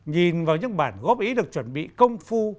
nhìn vào những bản góp ý được chuẩn bị công phu